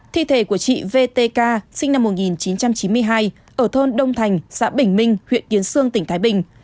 thi thể của chị vtk sinh năm một nghìn chín trăm chín mươi hai ở thôn đông thành xã bình minh huyện kiến sương tỉnh thái bình